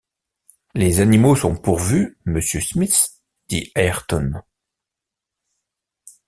Les animaux sont pourvus, monsieur Smith, dit Ayrton